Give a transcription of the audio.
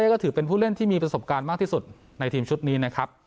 ก็ถือเป็นผู้เล่นที่มีประสบการณ์มากที่สุดในทีมชุดนี้นะครับ